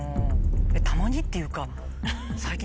たまにっていうか。